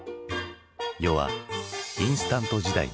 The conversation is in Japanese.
世はインスタント時代に。